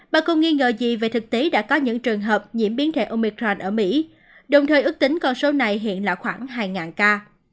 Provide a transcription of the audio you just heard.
bà con nghi ngờ gì về thực tế đã có những trường hợp nhiễm biến thể omicrand ở mỹ đồng thời ước tính con số này hiện là khoảng hai ca